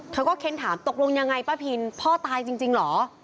เธอก็เค้นถามตกลงยังไงป้าพินพ่อตายจริงเหรอ